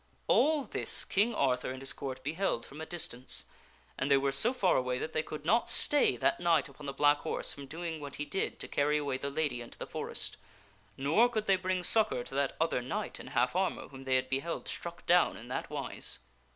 All this King Arthur and his Court beheld from a distance, and they were so far away that they could not stay that knight upon the black horse from doing what he did to carry away the lady into the forest; nor could they bring succor to that other knight in half armor whom they had be held struck down in that wise.